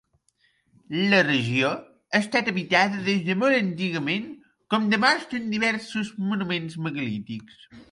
La regió ha estat habitada des de molt antigament com demostren diversos monuments megalítics.